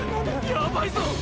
やばいぞ！